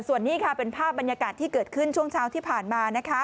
ส่วนนี้ค่ะเป็นภาพบรรยากาศที่เกิดขึ้นช่วงเช้าที่ผ่านมา